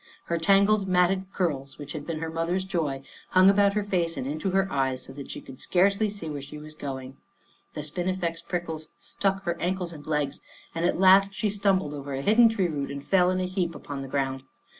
Her tangled matted curls, which had been her mother's joy, hung about her face and into her eyes so that she could scarcely see where she was going. The spinifex prickles stuck her ankles and legs, and at last she stumbled over a hidden tree root and fell in a heap upon the ground.